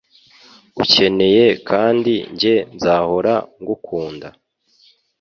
Ukeneye Kandi njye nzahora ngukunda